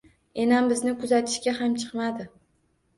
Enam bizni kuzatishga ham chiqmadi